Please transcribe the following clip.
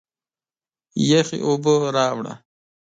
یخي اوبه راړه!